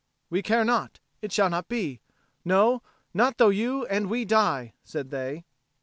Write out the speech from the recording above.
"We care not. It shall not be, no, not though you and we die," said they.